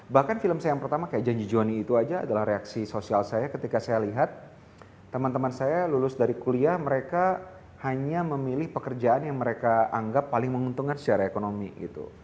bahkan film saya yang pertama kayak janji johnny itu aja adalah reaksi sosial saya ketika saya lihat teman teman saya lulus dari kuliah mereka hanya memilih pekerjaan yang mereka anggap paling menguntungkan secara ekonomi gitu